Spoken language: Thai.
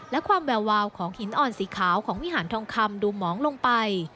และความแวววาวของหินอ่อนสีขาวของวิหารทองคำดูหมองลงไป